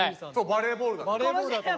「バレーボールだと思って」。